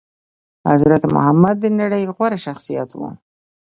حضرت محمد د نړي غوره شخصيت وو